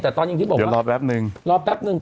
แต่ตอนยังคิดบอกว่ารอแป๊บนึง